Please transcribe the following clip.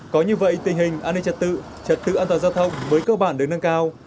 có như vậy tình hình an ninh trật tự trật tự an toàn giao thông mới cơ bản được nâng cao